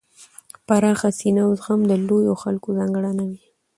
پراخه سینه او زغم د لویو خلکو ځانګړنه وي.